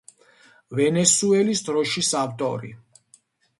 ვენესუელის დროშის ავტორი.